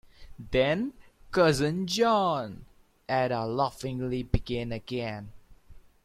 "Then, cousin John —" Ada laughingly began again.